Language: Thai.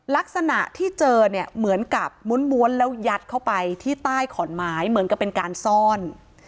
ลักษณะที่เจอเนี่ยเหมือนกับม้วนแล้วยัดเข้าไปที่ใต้ขอนไม้เหมือนกับเป็นการซ่อน